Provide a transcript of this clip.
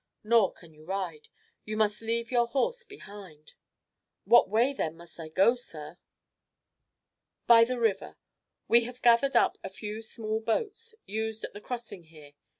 Nor can you ride. You must leave your horse behind." "What way then must I go, sir?" "By the river. We have gathered up a few small boats, used at the crossing here.